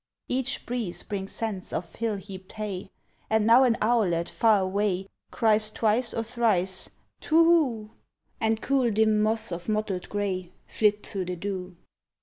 Each breeze brings scents of hill heaped hay; And now an owlet, far away, Cries twice or thrice, "Twohoo;" And cool dim moths of mottled gray Flit through the dew.